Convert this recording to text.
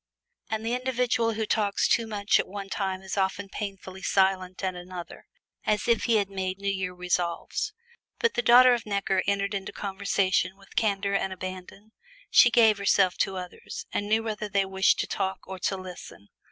And the individual who talks too much at one time is often painfully silent at another as if he had made New Year resolves. But the daughter of Necker entered into conversation with candor and abandon; she gave herself to others, and knew whether they wished to talk or to listen.